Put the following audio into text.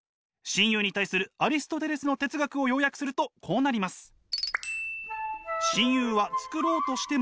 親友に対するアリストテレスの哲学を要約するとこうなります。